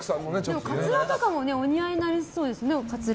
カツラとかもお似合いになりそうですね。